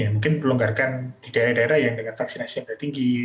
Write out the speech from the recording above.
mungkin di daerah daerah yang vaksinasi yang lebih tinggi